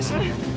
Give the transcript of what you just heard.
eh sani tenang